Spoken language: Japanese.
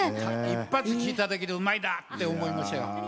一発、聴いただけでうまいなと思いました。